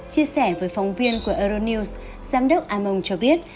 chia sẻ với phóng viên của euronews giám đốc amon cho biết